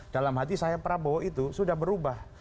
dalam hati saya prabowo itu sudah berubah